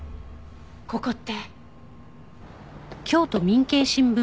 ここって。